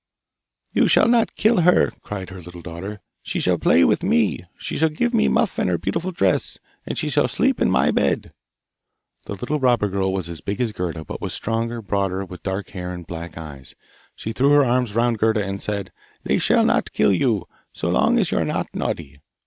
'You shall not kill her!' cried her little daughter. 'She shall play with me. She shall give me her muff and her beautiful dress, and she shall sleep in my bed.' The little robber girl was as big as Gerda, but was stronger, broader, with dark hair and black eyes. She threw her arms round Gerda and said, 'They shall not kill you, so long as you are not naughty.